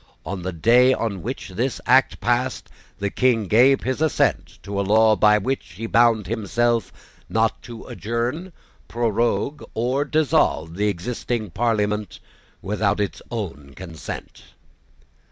On the day on which this act passed, the King gave his assent to a law by which he bound himself not to adjourn, prorogue, or dissolve the existing Parliament without its own consent.